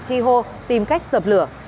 chi hô tìm cách dập lửa